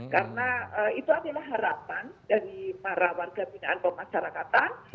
karena itu adalah harapan dari para warga pindahan pemasyarakatan